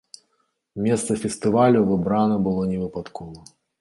Месца фестывалю выбрана было невыпадкова.